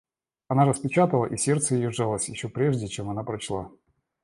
Она распечатала, и сердце ее сжалось еще прежде, чем она прочла.